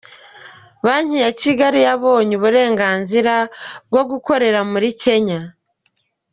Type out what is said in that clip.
Banki ya Kigali yabonye uburenganzira bwo gukorera muri Kenya